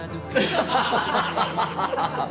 ハハハハ！